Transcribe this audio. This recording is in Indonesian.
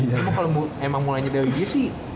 emang kalo emang mulainya dari dia sih